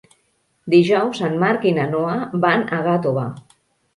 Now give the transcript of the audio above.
Dijous en Marc i na Noa van a Gàtova.